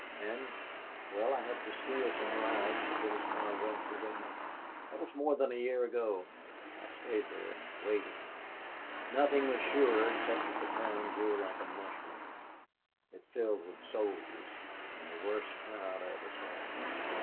And well, I had to steal some rides to get as far west as Omaha. "That was more than a year ago. I stayed there waiting. Nothing was sure, except that the town grew like a mushroom. It filled with soldiers and the worst crowd I ever saw.